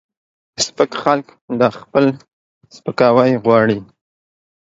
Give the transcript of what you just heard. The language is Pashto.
سپک خلک دا خپل سپکاوی غواړي